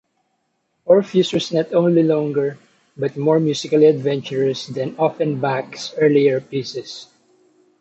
"Orpheus" was not only longer, but more musically adventurous than Offenbach's earlier pieces.